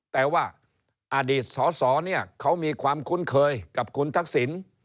แต่ว่าอดีตสอเขามีความคุ้นเคยกับคุณทักศิลป์